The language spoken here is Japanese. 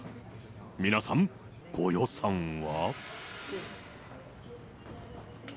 皆さん、ご予算は？